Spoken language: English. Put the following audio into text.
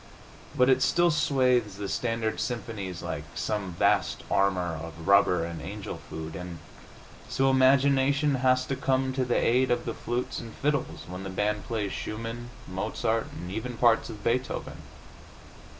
But it still swathes the standard symphonies like some vast armor of rubber and angel food, and so imagination has to come to the aid of the flutes and fiddles when the band plays Schumann, Mozart, and even parts of Beethoven.